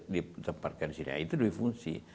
ditempatkan disini itu dwi fungsi